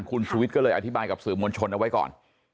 คุณชุวิตก็เลยอธิบายกับสื่อมวลชนเอาไว้ก่อน